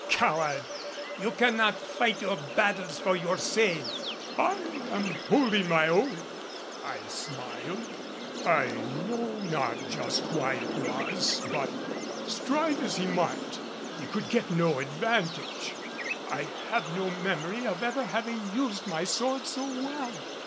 "Coward! you cannot fight your battles for yourself!" "I am holding my own!" I smiled. I know not just why it was, but strive as he might, he could get no advantage. I have no memory of ever having used my sword so well.